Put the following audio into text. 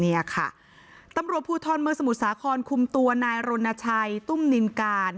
เนี่ยค่ะตำรวจภูทรเมืองสมุทรสาครคุมตัวนายรณชัยตุ้มนินการ